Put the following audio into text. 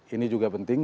ini juga penting